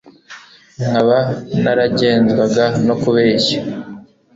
nkaba naragenzwaga no kubeshya